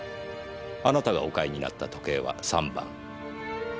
あなたがお買いになった時計は３番。